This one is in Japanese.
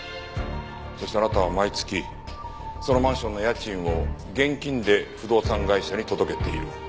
そしてあなたは毎月そのマンションの家賃を現金で不動産会社に届けている。